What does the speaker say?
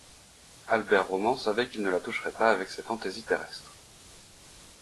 Albert Roman savait qu’il ne la toucherait pas avec ces fantaisies terrestres.